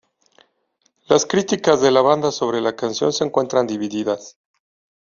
Las críticas de la banda sobre la canción se encuentran divididas.